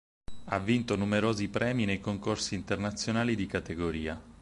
Ha vinto numerosi premi nei concorsi internazionali di categoria.